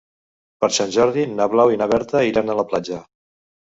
Per Sant Jordi na Blau i na Berta iran a la platja.